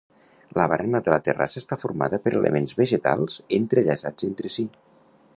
La barana de la terrassa està formada per elements vegetals entrellaçats entre si.